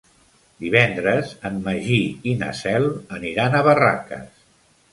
Divendres en Magí i na Cel aniran a Barraques.